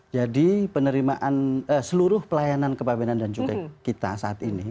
jadi penerimaan seluruh pelayanan kepa bea selamat dan juga kita saat ini